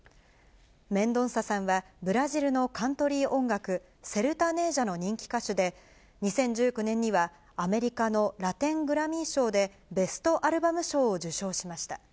メンドンサさんは、ブラジルのカントリー音楽、セルタネージャの人気歌手で、２０１９年には、アメリカのラテン・グラミー賞でベストアルバム賞を受賞しました。